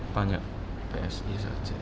banyak psi saja ya